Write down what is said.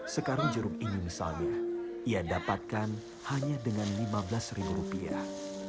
sekarang jeruk ini misalnya ia dapatkan hanya dengan lima belas ribu rupiah